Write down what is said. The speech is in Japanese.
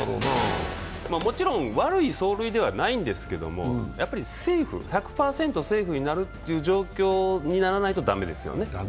もちろん悪い走塁ではないんですけれども、１００％セーフになるという状況にならないと駄目ですよね。